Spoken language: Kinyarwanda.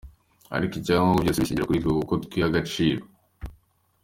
Ariko icya ngombwa, byose bishingira kuri twe kuko twiha agaciro.